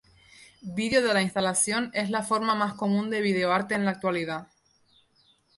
Vídeo de la instalación es la forma más común de videoarte en la actualidad.